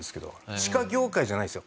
歯科業界じゃないですよ。